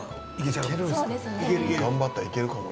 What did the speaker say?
頑張ったらいけるかもな。